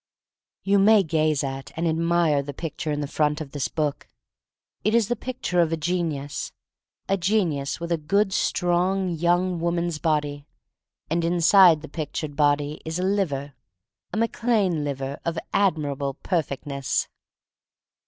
You may gaze at and admire the pic ture in the front of this book. It is the picture of a genius — a genius with a good strong young woman' s body, — and inside the pictured body is a liver, a 27 28 THE STORY OF MARY MAC LANE Mac Lane liver, of admirable perfect ness.